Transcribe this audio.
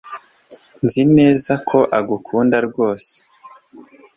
nzineza ko agukunda ryose